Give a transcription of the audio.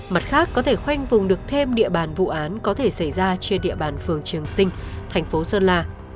mặt khác có thể khoanh vùng được thêm địa bàn vụ án có thể xảy ra trên địa bàn phường trường sinh thành phố sơn la